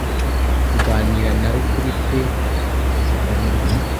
Kuganira nawe kuri twe tuvugana ibye